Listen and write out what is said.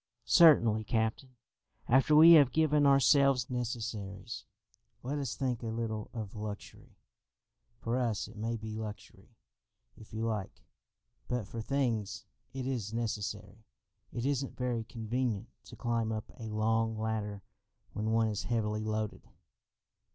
"Certainly, captain. After we have given ourselves necessaries, let us think a little of luxury. For us it may be luxury, if you like, but for things it is necessary. It isn't very convenient to climb up a long ladder when one is heavily loaded."